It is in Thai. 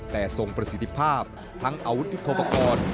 แต่ทรงประสิทธิภาพทั้งอาวุธยุทธโปรกรณ์